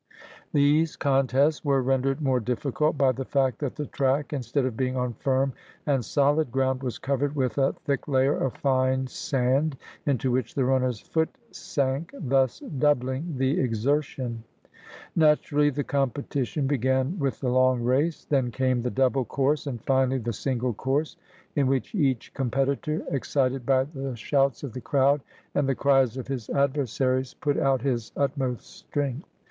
These contests were rendered more difi&cult by the fact that the track, instead of being on firm and solid ground, was covered with a thick layer of fine sand into which the runner's foot sank, thus doubHng the exertion. Naturally the competition began with the long race, then came the double course, and finally the single course, in which each competitor, excited by the shouts ^ About nine miles. 64 AT THE OLYMPIAN GAMES of the crowd and the cries of his adversaries, put out his utmost strength.